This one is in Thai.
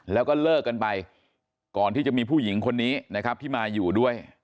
แล้วก็เลิกกันไปก่อนที่จะมีผู้หญิงคนนี้นะครับที่มาอยู่ด้วย